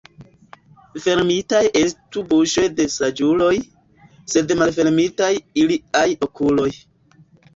Fermitaj estu buŝoj de saĝuloj, sed malfermitaj iliaj okuloj.